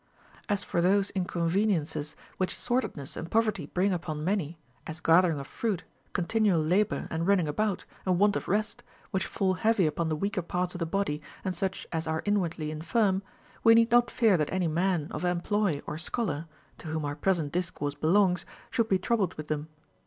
27. As for those inconveniences Avhich sordidness and poverty bring upon many, as gathering of fruit, continual labor, and running about, and want of rest, Avhich fall heavy upon the weaker parts of the body and such as are inwardly infirm, we need not fear that any man of employ or scholar — to whom our present discourse belongs — should be troubled with them.